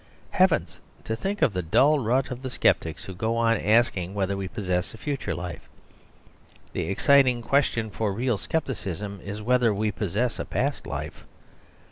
Heavens! to think of the dull rut of the sceptics who go on asking whether we possess a future life. The exciting question for real scepticism is whether we possess a past life.